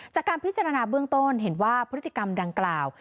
จากการพิจารณาเบื้องต้นเห็นว่าพฤติกรรมดังกล่าว